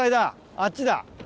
あっちだ。